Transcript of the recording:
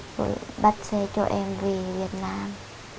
rồi bắt xe cho em về việt nam